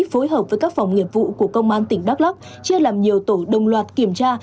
phối hợp với các phòng nghiệp vụ của công an tỉnh đắk lắc chia làm nhiều tổ đồng loạt kiểm tra